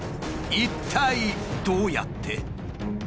一体どうやって？